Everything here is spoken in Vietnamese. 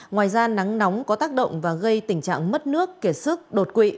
ngoài ra nắng nóng có tác động và gây tình trạng mất nước kiệt sức đột quỵ